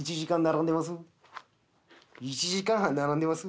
１時間半並んでます。